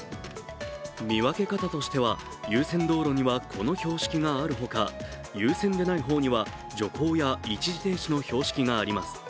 見分け方としては、優先道路にはこの標識がある他、優先でない方には徐行や一時停止の標識があります。